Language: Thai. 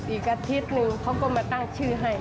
อีกอาทิตย์นึงเขาก็มาตั้งชื่อให้